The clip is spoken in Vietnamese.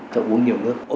cho uống nhiều nước